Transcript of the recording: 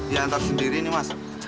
ya antar sendiri ini mas